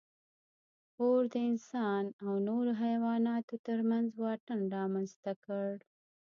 اور د انسان او نورو حیواناتو تر منځ واټن رامنځ ته کړ.